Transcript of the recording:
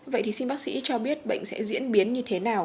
vậy thì xin bác sĩ cho biết bệnh sẽ diễn biến như thế nào